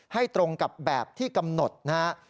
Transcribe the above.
ตรงกับแบบที่กำหนดนะฮะ